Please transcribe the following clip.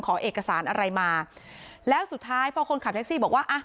ขอเอกสารอะไรมาแล้วสุดท้ายพอคนขับแท็กซี่บอกว่าอ่ะ